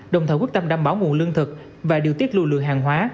đồng thời quyết tâm đảm bảo nguồn lương thực và điều tiết lưu lượng hàng hóa